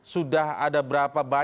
sudah ada berapa banyak